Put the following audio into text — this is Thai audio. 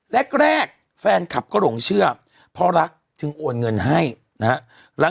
แรกแฟนคลับก็หลงเชื่อเพราะรักจึงโอนเงินให้นะฮะ